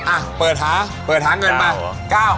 อ่ะเปิดท้าเผื่อท้าเงินมา